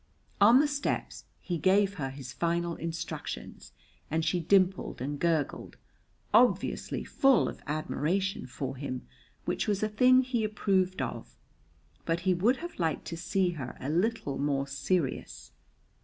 On the steps he gave her his final instructions, and she dimpled and gurgled, obviously full of admiration for him, which was a thing he approved of, but he would have liked to see her a little more serious.